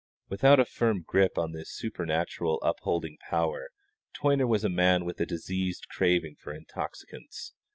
Without a firm grip on this supernatural upholding power Toyner was a man with a diseased craving for intoxicants.